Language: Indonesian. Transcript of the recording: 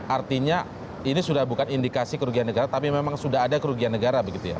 artinya ini sudah bukan indikasi kerugian negara tapi memang sudah ada kerugian negara begitu ya